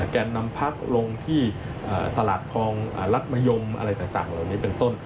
แก่นนำพักลงที่ตลาดคลองรัฐมยมอะไรต่างเหล่านี้เป็นต้น